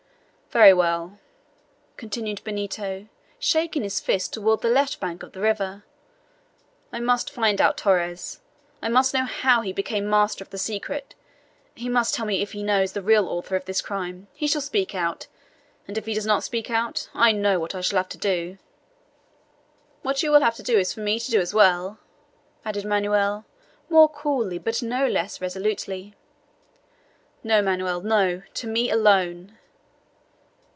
"Very well," continued Benito, shaking his fist toward the left bank of the river, "I must find out Torres. I must know how he became master of the secret. He must tell me if he knows the real author of this crime. He shall speak out. And if he does not speak out, I know what I shall have to do." "What you will have to do is for me to do as well!" added Manoel, more coolly, but not less resolutely. "No! Manoel, no, to me alone!"